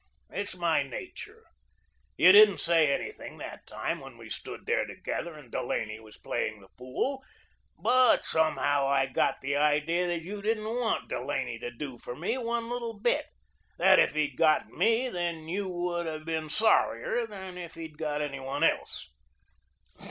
It's my nature. You didn't say anything that time when we stood there together and Delaney was playing the fool, but, somehow, I got the idea that you didn't want Delaney to do for me one little bit; that if he'd got me then you would have been sorrier than if he'd got any one else.